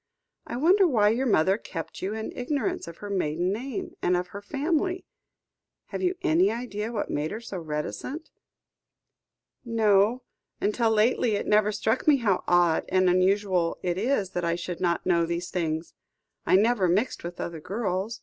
"I wonder why your mother kept you in ignorance of her maiden name, and of her family? Have you any idea what made her so reticent? "No; until lately it never struck me how odd and unusual it is that I should not know these things. I never mixed with other girls.